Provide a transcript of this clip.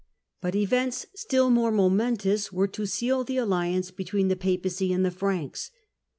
But events still more momentous were to seal the alliance between the Papacy and the Pranks.